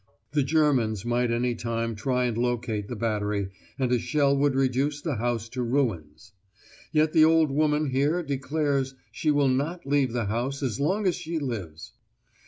The Germans might any time try and locate the battery, and a shell would reduce the house to ruins. Yet the old woman here declares she will not leave the house as long as she lives!